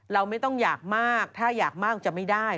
เราไม่ต้องอยากมากถ้าอยากมากจะไม่ได้